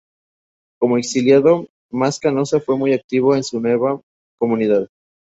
Como exiliado, Mas Canosa fue muy activo en su nueva comunidad.